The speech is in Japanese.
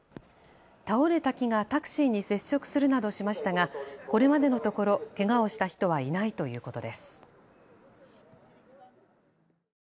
倒れた木がタクシーに接触するなどしましたがこれまでのところけがをした人はいないということです。